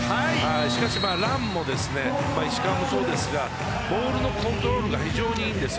しかし、藍も石川もそうですがボールのコントロールが非常に良いです。